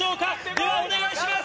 では、お願いします。